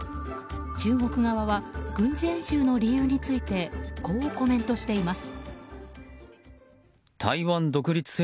中国側は軍事演習の理由についてこうコメントしています。